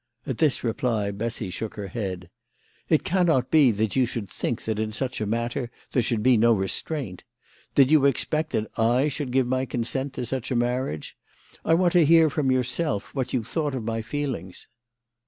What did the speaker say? At this reply Bessy shook her head. " It cannot be that you should think that in such a matter there should be no restraint. Did you expect that I should give my consent to such a marriage ? I want to hear from yourself what you thought of my feelings."